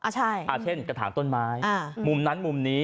เช่นกระถางต้นไม้มุมนั้นมุมนี้